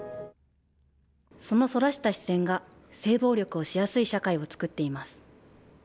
そのそらした視線が性暴力をしやすい社会を作っています。